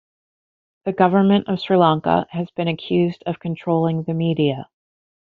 The government of Sri Lanka has been accused of controlling the media.